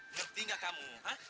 ngerti gak kamu